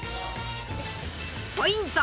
ポイント！